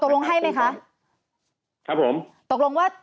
ตกลงว่าถือว่าโควิดเป็นเหตุสุดวิสัยไหมคะ